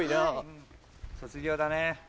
卒業だね。